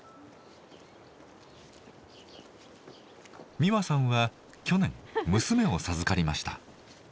実和さんは去年娘を授かりました。